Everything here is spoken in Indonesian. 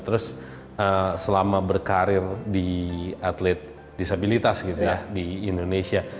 terus selama berkarir di atlet disabilitas gitu ya di indonesia